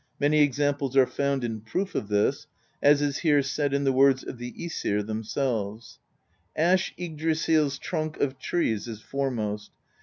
Many examples are found in proof of this, as is here said in the words of the ^sir themselves: Ash Yggdrasill's trunk of trees is foremost.